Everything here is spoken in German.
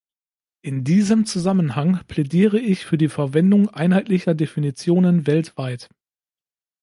In diesem Zusammenhang plädiere ich für die Verwendung einheitlicher Definitionen weltweit.